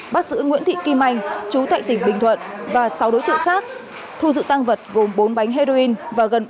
bác sĩ nguyễn thị kim anh trú tại tỉnh bình thuận và sáu đối tượng khác